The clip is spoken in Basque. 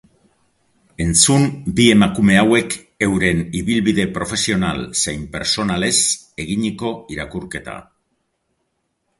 Entzun bi enakume hauek euren ibilbide profesional zein pertsonalez eginiko irakurketa!